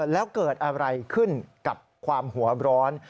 แล้วเกิดอะไรขึ้นกับความหัวร้อน